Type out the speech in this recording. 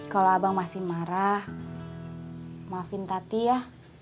kalau abang masih marah maafin tati ya